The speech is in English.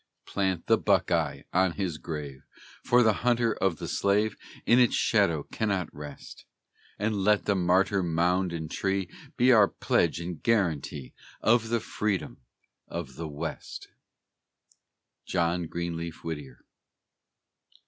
Plant the Buckeye on his grave, For the hunter of the slave In its shadow cannot rest; And let martyr mound and tree Be our pledge and guaranty Of the freedom of the West! JOHN GREENLEAF WHITTIER.